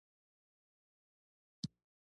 که د واکمنۍ له پاره